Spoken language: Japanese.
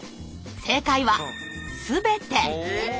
正解は全て。